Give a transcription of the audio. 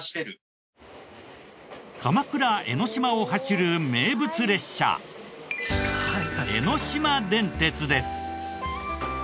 鎌倉・江の島を走る名物列車江ノ島電鉄です。